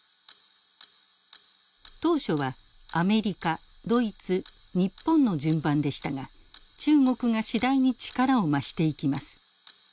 当初はアメリカドイツ日本の順番でしたが中国が次第に力を増していきます。